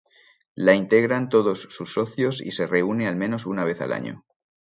La integran todos sus socios y se reúne al menos una vez al año.